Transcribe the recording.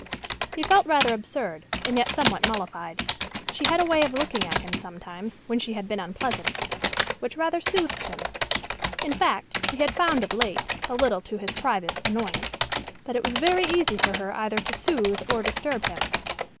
He felt rather absurd, and yet somewhat mollified. She had a way of looking at him, sometimes, when she had been unpleasant, which rather soothed him. In fact, he had found of late, a little to his private annoyance, that it was very easy for her either to soothe or disturb him.